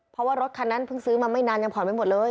เพราะว่ารถคันนั้นเพิ่งซื้อมาไม่นานยังผ่อนไม่หมดเลย